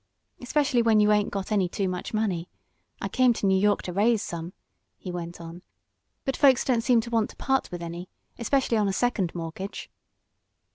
"Especially when you ain't got any too much money. I come to New York to raise some," he went on, "but folks don't seem to want to part with any especially on a second mortgage."